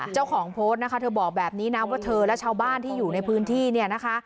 เจ้าของโพสต์นะคะเธอบอกแบบนี้นะว่าเธอและชาวบ้านที่อยู่ในพื้นที่เนี่ยนะคะ